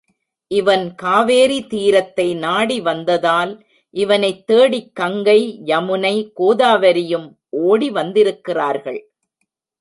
இவன் காவேரி தீரத்தை நாடி வந்ததால் இவனைத் தேடிக் கங்கை, யமுனை, கோதாவரியும் ஓடி வந்திருக்கிறார்கள்.